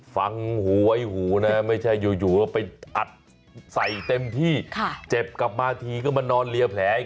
ฟังหูไว้หูนะไม่ใช่อยู่แล้วไปอัดใส่เต็มที่เจ็บกลับมาทีก็มานอนเรียแผลอีก